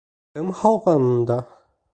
Кем һалған унда?